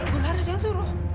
bu laras yang suruh